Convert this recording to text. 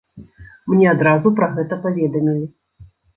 Мне адразу пра гэта паведамілі.